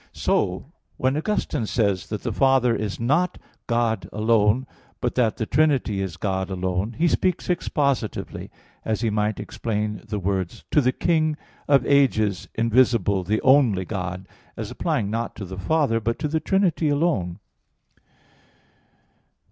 _ So, when Augustine says that the Father is not God alone, but that the Trinity is God alone, he speaks expositively, as he might explain the words, "To the King of ages, invisible, the only God," as applying not to the Father, but to the Trinity alone.